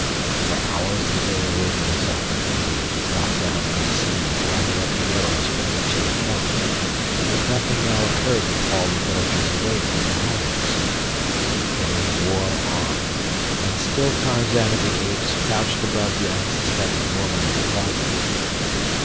For hours he lay awaiting his opportunity to drop down unseen and gather up the arrows for which he had come; but nothing now occurred to call the villagers away from their homes. The day wore on, and still Tarzan of the Apes crouched above the unsuspecting woman at the cauldron.